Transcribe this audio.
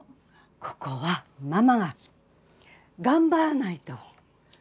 ここはママが頑張らないと。